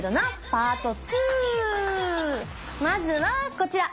まずはこちら。